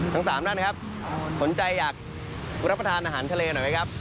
ทั้ง๓ท่านครับสนใจอยากรับประทานอาหารทะเลหน่อยไหมครับ